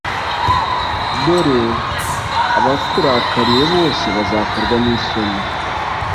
Dore abakurakariye bose bazakorwa nisoni